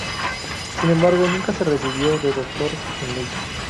Sin embargo, nunca se recibió de doctor en leyes.